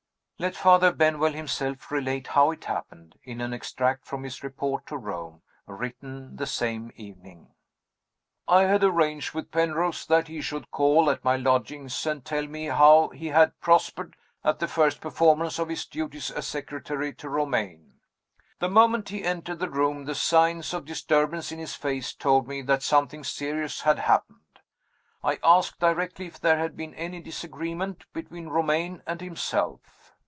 Let Father Benwell himself relate how it happened in an extract from his report to Rome, written the same evening. "... I had arranged with Penrose that he should call at my lodgings, and tell me how he had prospered at the first performance of his duties as secretary to Romayne. "The moment he entered the room the signs of disturbance in his face told me that something serious had happened. I asked directly if there had been any disagreement between Romayne and himself.